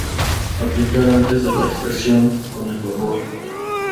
Aplicar antes de la extracción, con el vapor.